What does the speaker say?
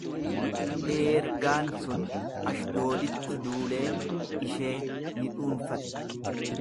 Eergaan sun Ashdooditti duulee ishee ni dhuunfate.